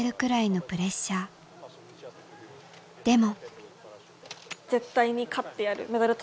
でも。